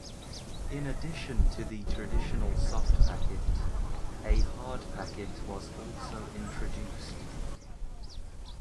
In addition to the traditional soft packet, a hard packet was also introduced.